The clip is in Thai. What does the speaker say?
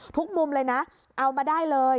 มุมเลยนะเอามาได้เลย